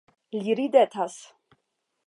Li ridetas.